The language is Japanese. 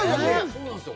そうなんです。